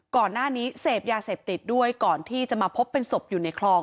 ก่อนหน้านี้เสพยาเสพติดด้วยก่อนที่จะมาพบเป็นศพอยู่ในคลอง